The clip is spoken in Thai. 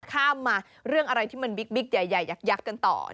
ข้ามมาเรื่องอะไรที่มันบิ๊กใหญ่ยักษ์กันต่อ